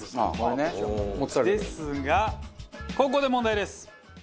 ですがここで問題です。